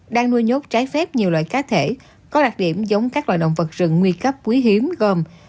đang nuôi nhốt trái phép nhiều loại cá thể có đặc điểm giống các loài động vật rừng nguy cấp quý hiếm gồm